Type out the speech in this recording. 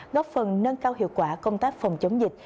góp phần nâng cao hiệu quả công tác phòng chống dịch